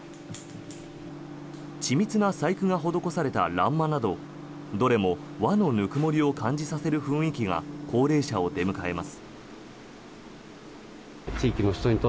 緻密な細工が施された欄間などどれも和のぬくもりを感じさせる雰囲気が高齢者を出迎えます。